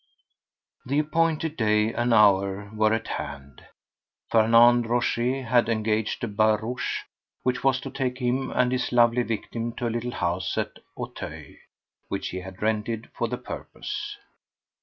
The appointed day and hour were at hand. Fernand Rochez had engaged a barouche which was to take him and his lovely victim to a little house at Auteuil, which he had rented for the purpose.